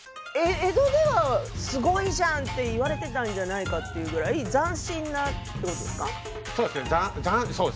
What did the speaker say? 江戸ではすごいじゃんと言われていたんじゃないかというくらい斬新なということですか。